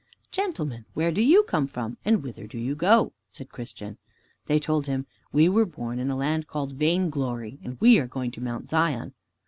"Gentlemen, where do you come from and whither do you go?" said Christian. They told him, "We were born in a land called Vainglory, and we are going to Mount Zion."